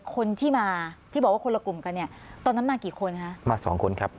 คนที่มาที่บอกว่าคนละกลุ่มกันเนี่ยตอนนั้นมากี่คนฮะมาสองคนครับ